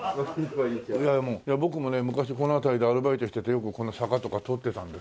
僕もね昔この辺りでアルバイトしててよくこの坂とか通ってたんですけどね。